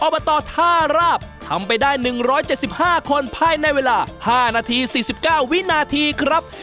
บตท่าราบทำไปได้๑๗๕คนภายในเวลา๕นาที๔๙วินาทีครับ